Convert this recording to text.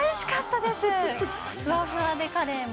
ふわふわで、カレイも。